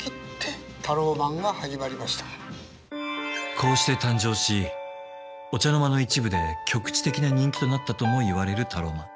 こうして誕生しお茶の間の一部で局地的な人気となったともいわれるタローマン。